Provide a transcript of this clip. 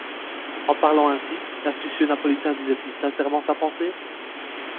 En parlant ainsi, l’astucieux Napolitain disait-il sincèrement sa pensée?